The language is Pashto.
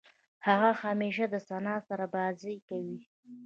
هغه همېشه د ثنا سره بازۍ کوي.